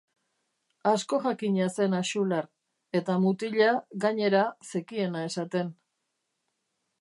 Askojakina zen Axular, eta mutila, gainera, zekiena esaten.